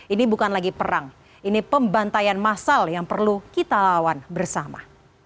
ini bukan lagi perang ini pembantaian masal yang perlu kita lawan bersama